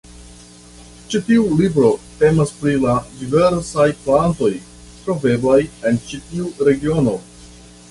Ĉi tiu libro temas pri la diversaj plantoj troveblaj en ĉi tiu regiono.